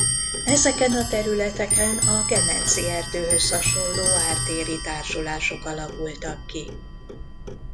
Ezeken a területeken a gemenci erdőhöz hasonló ártéri társulások alakultak ki.